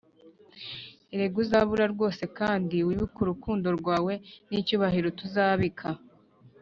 erega uzabura rwose kandi wibuke urukundo rwawe n'icyubahiro tuzabika.